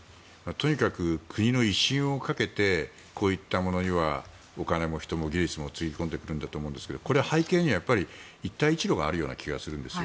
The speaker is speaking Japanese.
とにかく国の威信をかけてこういったものにはお金も人も技術もつぎ込んでくるんだと思うんですけどこれは背景には一帯一路があるような気がするんです。